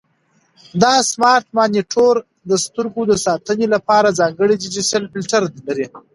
دا سمارټ مانیټور د سترګو د ساتنې لپاره ځانګړی ډیجیټل فلټر لري.